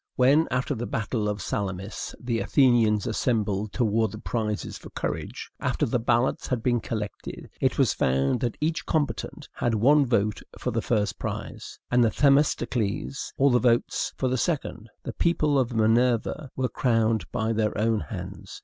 When, after the battle of Salamis, the Athenians assembled to award the prizes for courage, after the ballots had been collected, it was found that each combatant had one vote for the first prize, and Themistocles all the votes for the second. The people of Minerva were crowned by their own hands.